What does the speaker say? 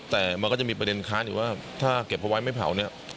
แต่มันก็จะมีประเด็นค้านอยู่ว่าถ้าเก็บเอาไว้ไม่เผาเนี่ย